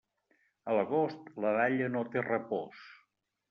A l'agost, la dalla no té repòs.